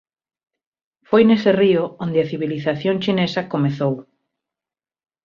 Foi nese río onde a civilización chinesa comezou.